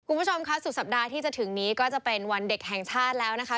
คุณผู้ชมค่ะสุดสัปดาห์ที่จะถึงนี้ก็จะเป็นวันเด็กแห่งชาติแล้วนะคะ